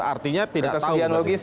artinya tidak tahu